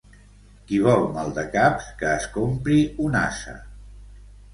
Qui vol maldecaps que es compri un ase.